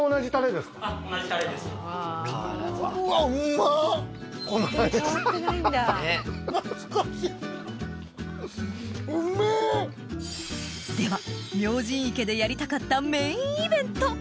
では明神池でやりたかったメインイベント！